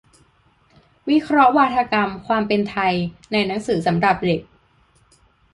วิเคราะห์วาทกรรม "ความเป็นไทย" ในหนังสือสำหรับเด็ก